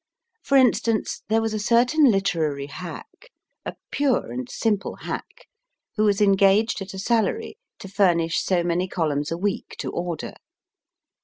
For instance, there was a certain literary hack, a pure and simple hack, who i was engaged at a salary to furnish so many M columns a week to order.